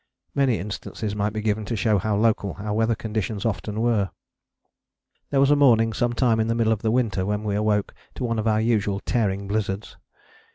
Many instances might be given to show how local our weather conditions often were. There was a morning some time in the middle of the winter when we awoke to one of our usual tearing blizzards.